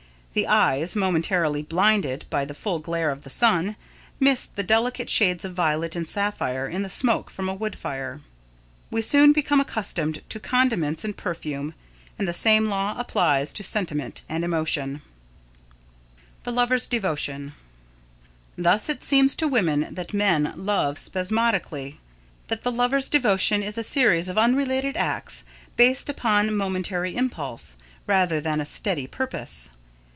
The eyes, momentarily blinded by the full glare of the sun, miss the delicate shades of violet and sapphire in the smoke from a wood fire. We soon become accustomed to condiments and perfume, and the same law applies to sentiment and emotion. [Sidenote: The Lover's Devotion] Thus it seems to women that men love spasmodically that the lover's devotion is a series of unrelated acts based upon momentary impulse, rather than a steady purpose.